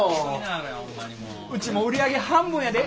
ウチも売り上げ半分やで。